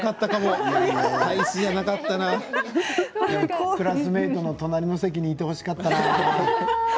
笑い声クラスメートの隣の席にいてほしかったな。